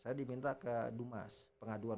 saya diminta ke dumas pengaduan